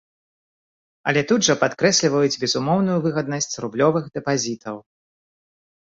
Але тут жа падкрэсліваюць безумоўную выгаднасць рублёвых дэпазітаў.